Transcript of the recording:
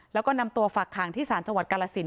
แล้วก็นำตัวฝักขังที่ศาลจังหวัดกาลสิน